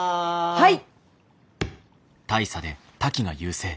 はい！